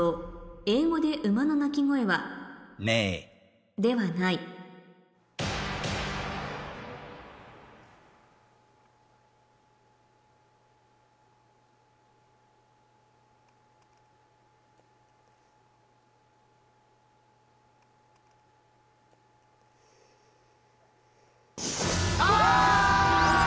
「英語でウマの鳴き声はネーイではない」あ！